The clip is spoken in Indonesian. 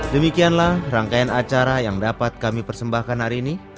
demikianlah rangkaian acara yang dapat kami persembahkan hari ini